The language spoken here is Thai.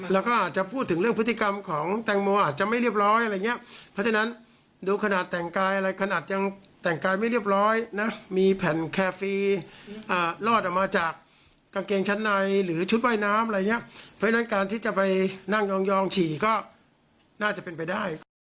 แล้วก็อาจจะพูดถึงเรื่องพฤติกรรมของแตงโมอาจจะไม่เรียบร้อยอะไรอย่างเงี้ยเพราะฉะนั้นดูขนาดแต่งกายอะไรขนาดยังแต่งกายไม่เรียบร้อยนะมีแผ่นแคฟีรอดออกมาจากกางเกงชั้นในหรือชุดว่ายน้ำอะไรอย่างเงี้ยเพราะฉะนั้นการที่จะไปนั่งยองฉี่ก็น่าจะเป็นไปได้